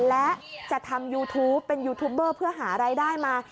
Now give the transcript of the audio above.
และจะทำยูทูปเป็นยูทูปเบอร์เพื่อหารายได้มา